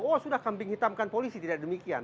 oh sudah kambing hitamkan polisi tidak demikian